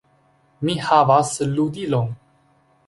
"Mi havas ludilon!"